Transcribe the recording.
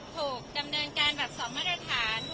ถูกดำเนินการแบบ๒มาตรฐาน